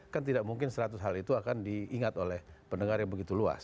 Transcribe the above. kan tidak mungkin seratus hal itu akan diingat oleh pendengar yang begitu luas